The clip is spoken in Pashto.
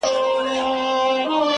سپورټي لوبې خلک متحدوي